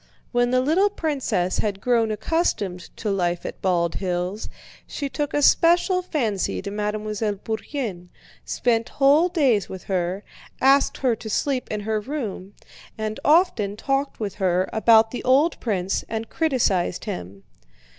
When the little princess had grown accustomed to life at Bald Hills, she took a special fancy to Mademoiselle Bourienne, spent whole days with her, asked her to sleep in her room, and often talked with her about the old prince and criticized him.